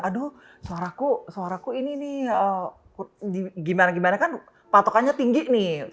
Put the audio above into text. aduh suaraku suaraku ini nih gimana gimana kan patokannya tinggi nih